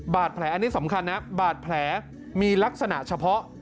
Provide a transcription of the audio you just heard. บาดแผลอันนี้สำคัญนะบาดแผลมีลักษณะเฉพาะ